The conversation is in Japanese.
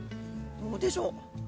どうでしょう？